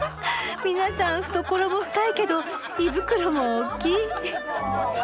皆さん懐も深いけど胃袋もおっきい。